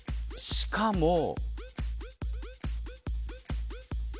しかも。